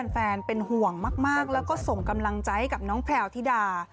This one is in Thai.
แฟนเป็นห่วงมากแล้วก็ส่งกำลังใจให้กับน้องแพลวธิดา